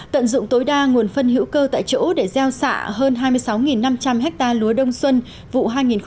tận dụng tối đa nguồn phân hữu cơ tại chỗ để gieo xạ hơn hai mươi sáu năm trăm linh ha lúa đông xuân vụ hai nghìn một mươi sáu hai nghìn một mươi bảy